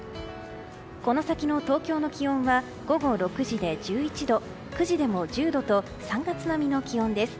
この先の東京の気温は午後６時で１１度９時でも１０度と３月並みの気温です。